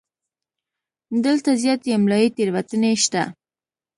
دلته زیاتې املایي تېروتنې شته.